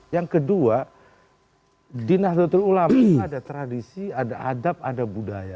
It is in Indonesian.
yang kedua di nahdlatul ulama itu ada tradisi ada adab ada budaya